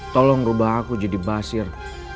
tolong ubah aku jadi basir